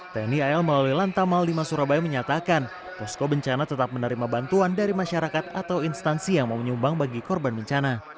tni al melalui lantamal lima surabaya menyatakan posko bencana tetap menerima bantuan dari masyarakat atau instansi yang mau nyumbang bagi korban bencana